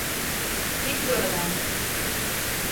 Çekil oradan!